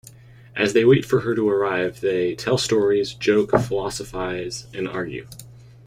As they wait for her to arrive they tell stories, joke, philosophize, and argue.